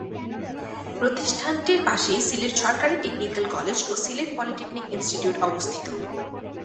প্রতিষ্ঠানটির পাশেই সিলেট সরকারি টেকনিক্যাল কলেজ ও সিলেট পলিটেকনিক ইনস্টিটিউট অবস্থিত।